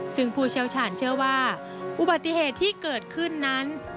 ซึ่งผู้เชี่ยวชาญเชื่อว่าอุบัติเหตุที่เกิดขึ้นนั้น